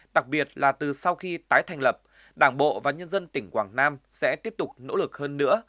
đặc biệt là từ sau khi tái thành lập đảng bộ và nhân dân tỉnh quảng nam sẽ tiếp tục nỗ lực hơn nữa